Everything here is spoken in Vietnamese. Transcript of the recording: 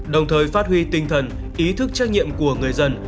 đồng thời phát huy tinh thần ý thức trách nhiệm của người dân